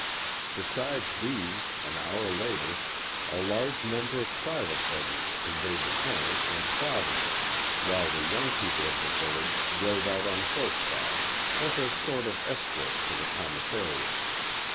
Besides these, an hour later, a large number of private buggies conveyed the parents and provender, while the young people of the village rode out on horseback as a sort of escort to the commissariat.